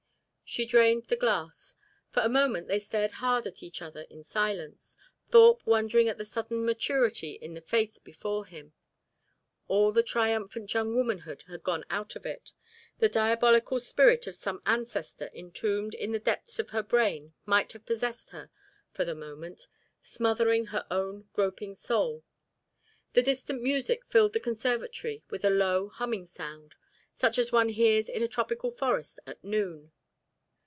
She drained the glass. For a moment they stared hard at each other in silence, Thorpe wondering at the sudden maturity in the face before him. All the triumphant young womanhood had gone out of it; the diabolical spirit of some ancestor entombed in the depths of her brain might have possessed her for the moment, smothering her own groping soul. The distant music filled the conservatory with a low humming sound, such as one hears in a tropical forest at noon.